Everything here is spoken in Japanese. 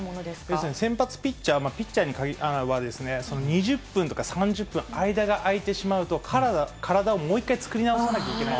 要するに先発ピッチャー、ピッチャーは、２０分とか３０分、間が空いてしまうと、体をもう一回作り直さなきゃいけない。